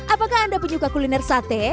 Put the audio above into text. apakah anda penyuka kuliner sate